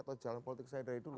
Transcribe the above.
atau jalan politik saya dari dulu